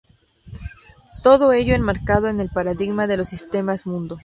Todo ello enmarcado en el paradigma de los sistemas-mundo.